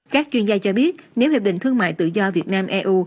các chuyên gia cho biết nếu hiệp định thương mại tự do việt nam eu